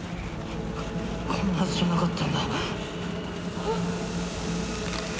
こんなはずじゃなかったんだ。はあ？